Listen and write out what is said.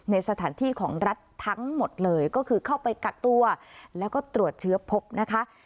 ในสถานที่ของรัฐทั้งหมดเลยก็คือเข้าไปกักตัวแล้วก็ตรวจเชื้อพบนะคะ